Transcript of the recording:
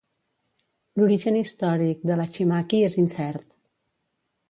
L'origen històric de l'hachimaki és incert.